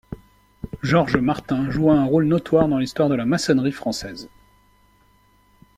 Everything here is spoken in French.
Georges Martin joua un rôle notoire dans l'histoire de la maçonnerie française.